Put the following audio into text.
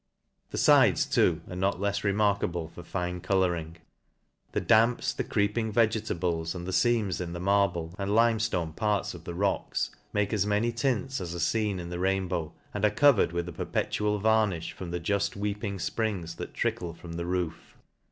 The fides too are not lefs remarkable for fine colouring ; the damps, the creeping vege tables, and the feams in the marble, and lime florce parts of the rocks, make as many tints as are (ten in the rainbow, and are covered with a perpetual varniih from the juft weeping fprings that trickle from the roof.